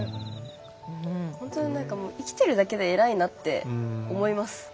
本当に何かもう生きてるだけで偉いなって思います。